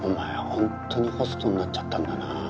ほんとにホストになっちゃったんだな。